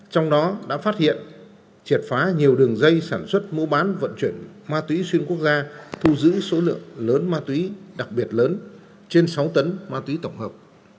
trong đó đã phát hiện triệt phá nhiều đường dây sản xuất mua bán vận chuyển ma túy xuyên quốc gia thu giữ số lượng lớn ma túy đặc biệt lớn trên sáu tấn ma túy tổng hợp